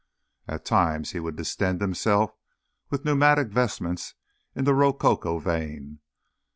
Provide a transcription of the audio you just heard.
At times he would distend himself with pneumatic vestments in the rococo vein.